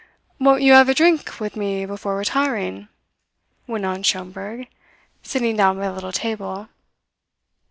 "Won't you have a drink with me before retiring?" went on Schomberg, sitting down by the little table.